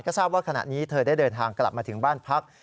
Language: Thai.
ก็ทราบว่าขณะนี้เธอได้เดินทางกลับมาถึงบ้านพัก